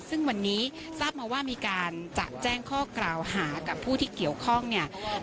ซึ่งวันนี้ทราบมาว่ามีการจะแจ้งข้อกล่าวหากับผู้ที่เกี่ยวข้องเนี่ย